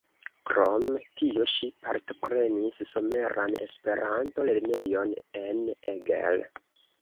Krom tio ŝi partoprenis Someran Esperanto-lernejon en Eger.